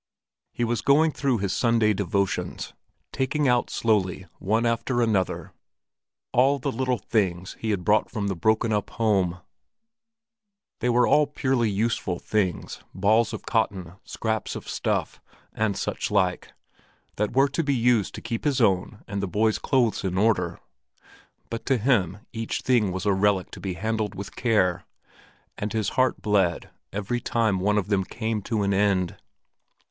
He was going through his Sunday devotions, taking out slowly, one after another, all the little things he had brought from the broken up home. They were all purely useful things—balls of cotton, scraps of stuff, and such like, that were to be used to keep his own and the boy's clothes in order; but to him each thing was a relic to be handled with care, and his heart bled every time one of them came to an end.